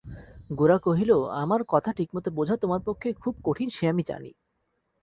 গোরা কহিল, আামার কথা ঠিকমত বোঝা তোমার পক্ষে খুব কঠিন সে আামি জানি।